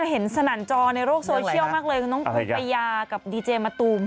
สนั่นจอในโลกโซเชียลมากเลยคือน้องปูปะยากับดีเจมะตูม